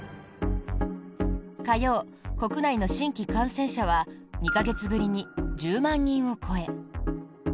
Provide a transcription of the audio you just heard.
火曜、国内の新規感染者は２か月ぶりに１０万人を超え。